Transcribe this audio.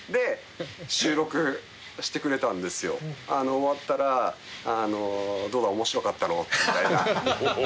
終わったら「どうだ？面白かったろ」みたいな。